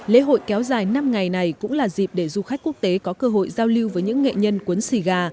lễ hội kéo dài năm ngày này cũng là dịp để du khách quốc tế có cơ hội giao lưu với những nghệ nhân cuốn xì gà